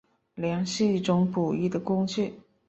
梁是一种捕鱼的工具。